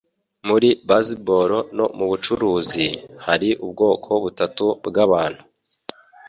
Muri baseball no mubucuruzi, hari ubwoko butatu bwabantu.